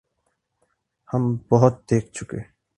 ہم بہت دیکھ چکے۔